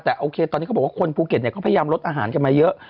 แต่โอเคตอนนี้เขาบอกว่าคนภูเก็ตเขาพยายามลดอาหารกันมาเยอะ